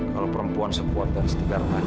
kalau perempuan sepuatan setiap orang